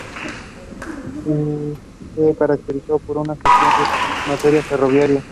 Se caracterizó por su gestión en materia ferroviaria.